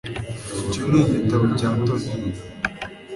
icyo ni igitabo cya tony